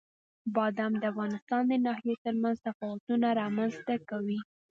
بادام د افغانستان د ناحیو ترمنځ تفاوتونه رامنځ ته کوي.